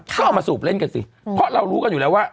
ก็เอามาสูบเล่นกันสิเพราะเรารู้กันอยู่แล้วว่า